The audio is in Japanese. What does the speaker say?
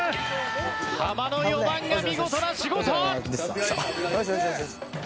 ハマの４番が見事な仕事！